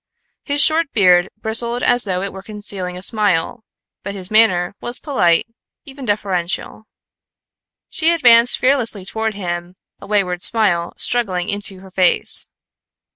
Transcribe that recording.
His short beard bristled as though it were concealing a smile, but his manner was polite, even deferential. She advanced fearlessly toward him, a wayward smile struggling into her face.